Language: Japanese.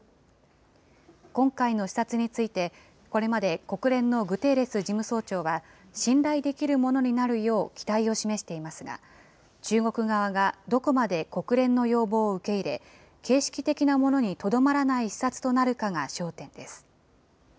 今回の視察について、これまで国連のグテーレス事務総長は、信頼できるものになるよう期待を示していますが、中国側がどこまで国連の要望を受け入れ、形式的なものにとどまらない視察となるかが焦点です。